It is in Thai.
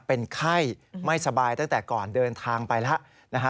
เป็นไข้ไม่สบายตั้งแต่ก่อนเดินทางไปแล้วนะฮะ